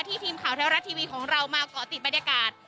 ทีมข่าวแท้รัฐทีวีของเรามาเกาะติดบรรยากาศ